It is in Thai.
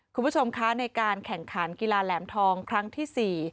คุณผู้ชมคะในการแข่งขันกีฬาแหลมทองครั้งที่๔